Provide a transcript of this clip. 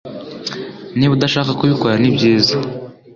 Niba udashaka kubikora nibyiza